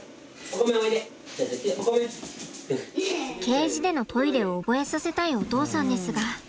ケージでのトイレを覚えさせたいお父さんですが。